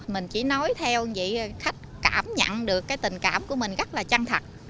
mình chỉ nói theo như vậy khách cảm nhận được tình cảm của mình rất là chăng thật